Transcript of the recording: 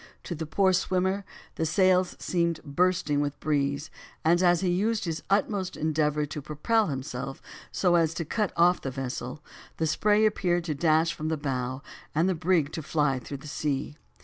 To the poor swimmer the sails seemed bursting with the breeze, and as he used his utmost endeavor to propel himself so as to cut off the vessel, the spray appeared to dash from the bow and the brig to fly through the sea.